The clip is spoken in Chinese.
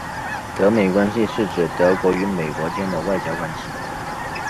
德美关系是指德国和美国间的外交关系。